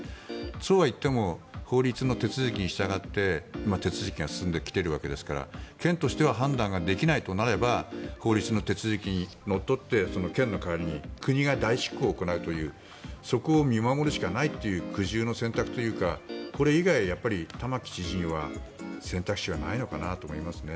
そうは言っても法律の手続きに従って今、手続きが進んできているわけですから県としては判断ができないとなれば法律の手続きにのっとって県の代わりに国が代執行を行うというそこを見守るしかないという苦渋の選択というかこれ以外、玉城知事には選択肢はないのかなと思いますね。